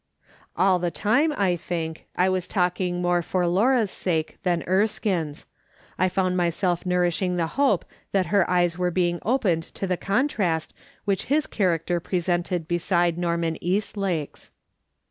All the time, I think, I was talking more for Laura's sake than Erskine's ; I found myself nburish ing the hope that her eyes were being opened to the contrast which his character presented beside Norman Eastlake's.